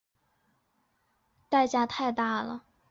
许多程序员认为这些语言为了速度所付出的代价太大了。